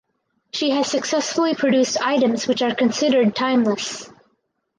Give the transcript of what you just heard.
She has successfully produced items which are considered timeless.